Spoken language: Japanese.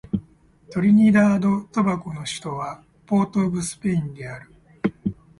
トリニダード・トバゴの首都はポートオブスペインである